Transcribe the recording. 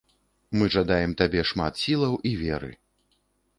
Мы жадаем табе шмат сілаў і веры!